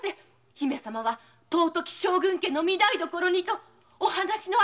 姫様は尊き将軍家の御台様にとお話のあるお方ですぞ。